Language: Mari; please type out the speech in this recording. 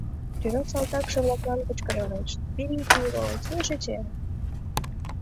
Тӧра салтакше-влаклан кычкыралеш: «Берите его, слышите!»